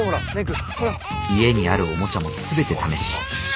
家にあるおもちゃも全て試し。